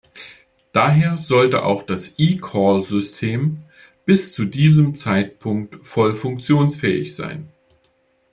Daher sollte auch das eCall-System bis zu diesem Zeitpunkt voll funktionsfähig sein.